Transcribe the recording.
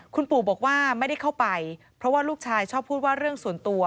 คุณปู่บอกว่าไม่ได้เข้าไปเพราะว่าลูกชายชอบพูดว่าเรื่องส่วนตัว